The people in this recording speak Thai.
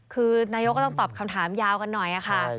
คือนายกก็ต้องตอบคำถามยาวกันหน่อยค่ะ